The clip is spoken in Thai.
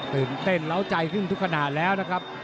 ตื่นเต้นเล้าใจขึ้นทุกขนาดแล้วนะครับ